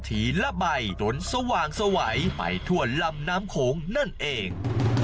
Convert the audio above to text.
ทีละใบจนสว่างสวัยไปทั่วลำน้ำโขงนั่นเอง